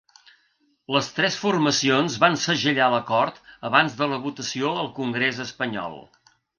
Les tres formacions van segellar l’acord abans de la votació al congrés espanyol.